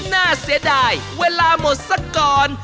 น่าเสียดายเวลาหมดสักก่อน